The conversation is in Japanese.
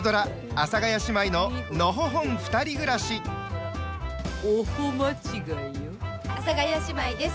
阿佐ヶ谷姉妹です。